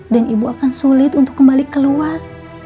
dan ibu akan sulit untuk kembali keluar